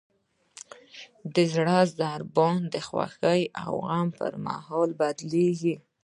د زړه ضربان د خوښۍ او غم پر مهال بدلېږي.